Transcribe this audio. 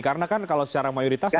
karena kan kalau secara mayoritas